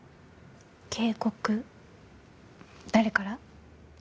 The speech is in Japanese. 警告誰から？